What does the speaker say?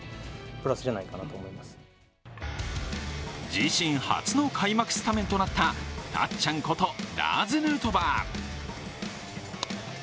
自身初の開幕スタメンとなった、たっちゃんことラーズ・ヌートバー。